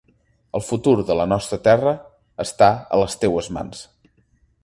El futur de la nostra terra està a les teues mans.